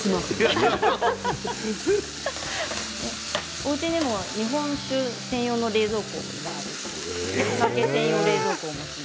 おうちにも日本酒専用の冷蔵庫があるそうですね。